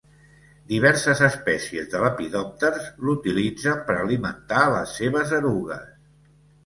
Diverses espècies de lepidòpters l'utilitzen per alimentar les seves erugues.